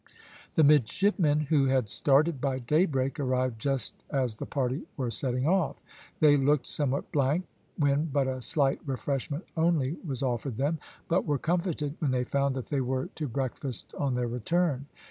The midshipmen, who had started by daybreak, arrived just as the party were setting off. They looked somewhat blank, when but a slight refreshment only was offered them, but were comforted when they found that they were to breakfast on their return.